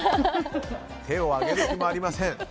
手を挙げる気力もありません。